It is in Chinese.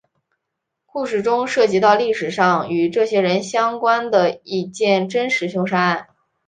故事中涉及到历史上与这些人相关的一件真实凶杀案。